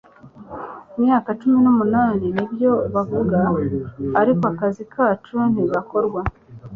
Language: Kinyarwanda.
imyaka cumi numunani nibyo bavuga, ariko akazi kacu ntigakorwa